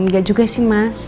gak juga sih mas